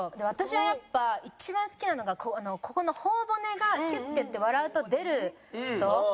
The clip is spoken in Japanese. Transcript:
私はやっぱ一番好きなのがここの頬骨がキュッていって笑うと出る人。